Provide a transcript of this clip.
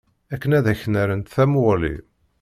Akken ad ak-n-rrent tamuɣli.